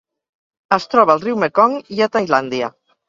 Es troba al riu Mekong i a Tailàndia.